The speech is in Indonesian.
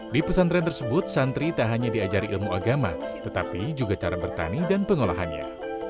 di pesantren tersebut santri tak hanya diajari ilmu agama tetapi juga cara bertani dan pengolahannya